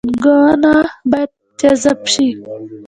پانګونه باید جذب شي